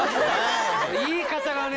言い方がね。